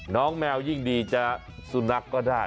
น้องแมวยิ่งดีจะสุนัขก็ได้